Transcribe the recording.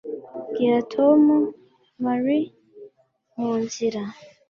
Bwira Tom Mary mu nzira